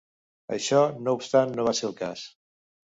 Això, no obstant, no va ser el cas.